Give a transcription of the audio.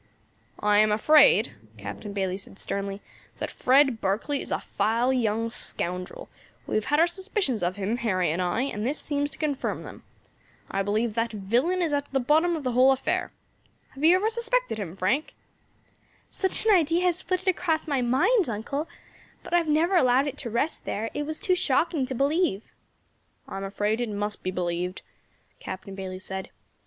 "I am afraid," Captain Bayley said sternly, "that Fred Barkley is a vile young scoundrel; we have had our suspicions of him, Harry and I, and this seems to confirm them. I believe that villain is at the bottom of the whole affair. Have you ever suspected him, Frank?" "Such an idea has flitted across my mind, uncle, but I have never allowed it to rest there; it was too shocking to believe." "I am afraid it must be believed," Captain Bayley said.